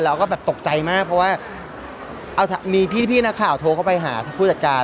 เราก็แบบตกใจมากเพราะว่ามีพี่นักข่าวโทรเข้าไปหาผู้จัดการ